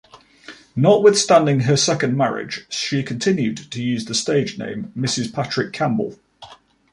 Notwithstanding her second marriage she continued to use the stage name "Mrs Patrick Campbell".